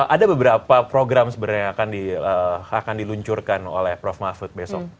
ada beberapa program sebenarnya yang akan diluncurkan oleh prof mahfud besok